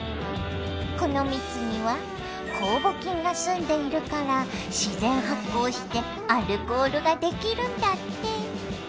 この蜜には酵母菌が住んでいるから自然発酵してアルコールが出来るんだって。